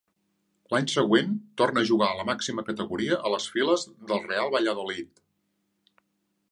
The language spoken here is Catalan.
L'any següent torna a jugar a la màxima categoria a les files del Real Valladolid.